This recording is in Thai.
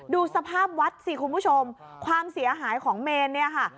ดูสภาพวัดสิคุณผู้ชมความเสียหายของเมนเนี่ยค่ะ